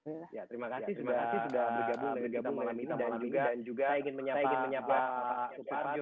terima kasih sudah bergabung dengan kita malam ini dan juga saya ingin menyapa pak suparjo